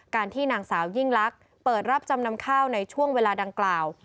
ที่นางสาวยิ่งลักษณ์เปิดรับจำนำข้าวในช่วงเวลาดังกล่าว